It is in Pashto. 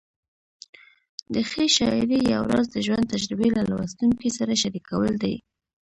د ښې شاعرۍ یو راز د ژوند تجربې له لوستونکي سره شریکول دي.